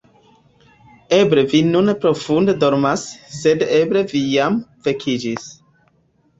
Eble vi nun profunde dormas, sed eble vi jam vekiĝis.